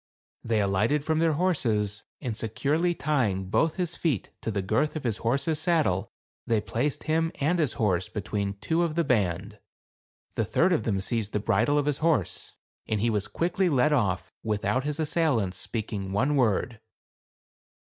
They alighted from their horses, and securely tying both his feet to the girth of his horse's sad dle they placed him and his horse between two of the band, the third then seized the bridle of his horse; and he was led quickly off, without his assailants speaking one word.